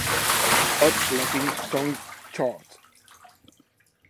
Hot Latin Songs Chart.